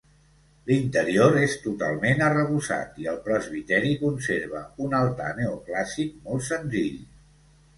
L'interior és totalment arrebossat i el presbiteri conserva un altar neoclàssic molt senzill.